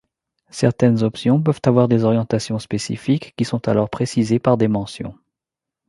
Certaines options peuvent avoir des orientations spécifiques qui sont alors précisées par des mentions.